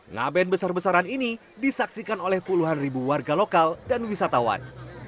naben besar besaran ini disaksikan oleh puluhan ribu warga lokal dan wisatawan